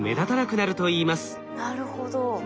あなるほど。